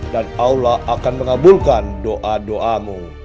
allah akan mengabulkan doa doamu